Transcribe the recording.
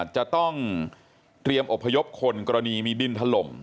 จะต้องเตรียมอบพยพคนกรณีมีดินถล่ม